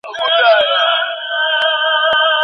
تلویزیون د هغې په واسطه ولګول شو خو غږ یې دستي ورټیټ کړ.